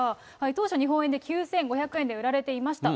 当初、日本円で９５００円で売られていました。